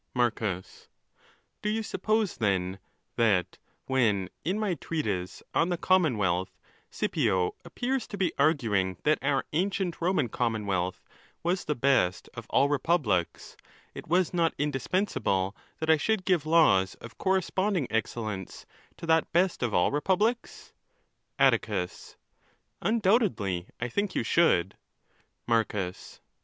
Marcus.— Do you suppose, then, that when, i my Treatise on the Commonwealth, Scipio appears to be arguing that our ancient Roman Commonwealth was the best of all republics, it was not indispensable that I should give laws of boreeRpene ing exeellence to that best of all republics, "Atticus. —Undoubtedly I think you should. Marecus.